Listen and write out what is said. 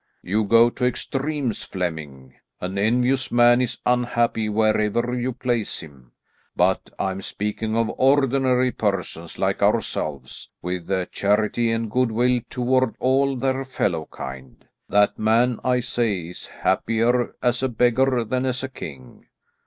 "You go to extremes, Flemming. An envious man is unhappy wherever you place him; but I'm speaking of ordinary persons like ourselves, with charity and good will toward all their fellow kind. That man, I say, is happier as a beggar than as a king."